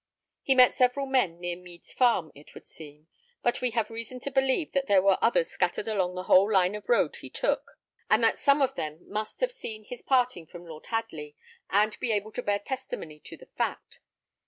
He met several men near Mead's farm, it would seem; but we have reason to believe that there were others scattered along the whole line of road he took, and that some of them must have seen his parting from Lord Hadley, and be able to bear testimony to the fact.